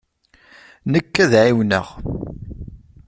Nekk ad ɛiwneɣ.